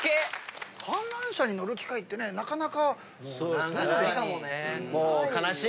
観覧車に乗る機会ってなかなかどうですか？